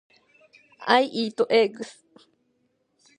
I eat eggs.